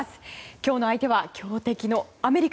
今日の相手は強敵のアメリカ。